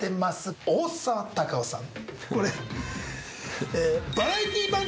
大沢たかおさん。